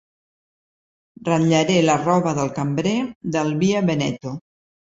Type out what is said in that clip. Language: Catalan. Ratllaré la roba del cambrer del Via Veneto.